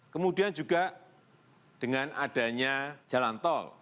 kemudian juga dengan adanya jalan tol